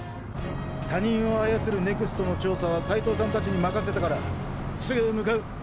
他人を操るＮＥＸＴの調査は斎藤さんたちに任せたからすぐ向かう。